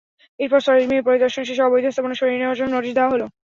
এরপর সরেজমিনে পরিদর্শন শেষে অবৈধ স্থাপনা সরিয়ে নেওয়ার জন্য নোটিশ দেওয়া হলো।